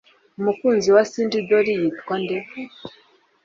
Umukunzi wa Sindy doll yitwa nde?